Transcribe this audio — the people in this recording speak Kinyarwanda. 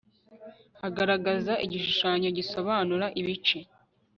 agaragaza igishushanyo gisobanura ibice